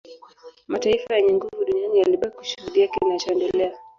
Mataifa yenye nguvu duniani yalibaki kushuhudia kinachoendelea